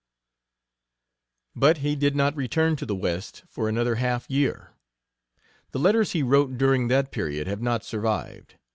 But he did not return to the West for another half year. The letters he wrote during that period have not survived.